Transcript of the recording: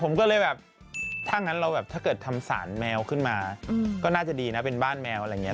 ผมก็เลยแบบถ้างั้นเราแบบถ้าเกิดทำสารแมวขึ้นมาก็น่าจะดีนะเป็นบ้านแมวอะไรอย่างนี้